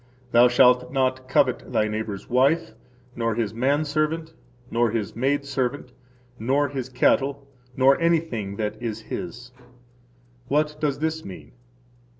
Thou shalt not covet thy neighbor's wife, nor his man servant, nor his maid servant, nor his cattle, nor anything that is his. What does this mean?